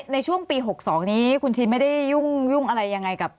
ในช่วงปี๖๒นี้คุณชินไม่ได้ยุ่งอะไรยังไงกับ